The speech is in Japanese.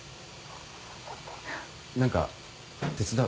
何か手伝う？